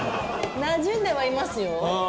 なじんではいますよ。